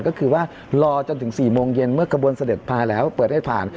ก็คือว่ารอจนถึง๔โมงเย็นเมื่อกระบวนเสด็จมาแล้วเปิดให้ผ่าน